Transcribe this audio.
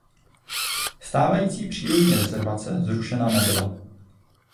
Stávající přírodní rezervace zrušena nebyla.